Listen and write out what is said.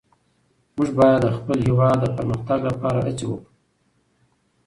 موږ باید د خپل هېواد د پرمختګ لپاره هڅې وکړو.